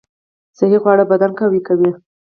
صحي خواړه بدن قوي کوي